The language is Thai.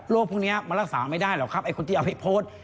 พวกนี้มันรักษาไม่ได้หรอกครับไอ้คนที่เอาไปโพสต์